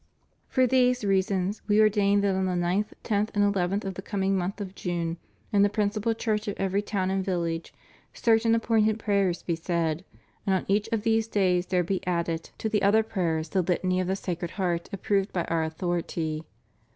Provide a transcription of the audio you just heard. For these reasons. We ordain that on th.e ninth, tenth, and eleventh of the coming month of June, in the prin cipal church of every town and village, certain appointed prayers be said, and on each of these days there be added »Phil. ii. 11. CONSECRATION TO THE SACRED HEART OF JESUS. 461 to the other prayers the Litany of the Sacred Heart ap proved by Our authority.